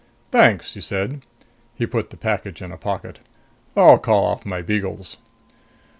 "Thanks," he said. He put the package in a pocket. "I'll call off my beagles."